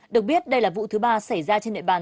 được biết đây là vụ thứ ba xảy ra trên địa bàn